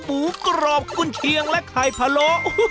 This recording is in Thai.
หมูกรอบกุญเชียงและไข่พะโล